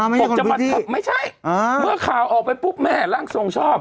อ๋อไม่ใช่คนพิธีไม่ใช่เมื่อข่าวออกไปปุ๊บแม่ร่างทรงชอบ